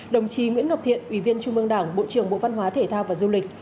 đồng chí nguyễn ngọc thiện ủy viên trung mương đảng bộ trưởng bộ văn hóa thể thao và du lịch